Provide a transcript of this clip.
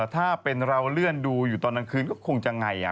ถ้าเป็นเราเลื่อนดูดูตอนตอนคืนก็คงจะไหนอ่ะ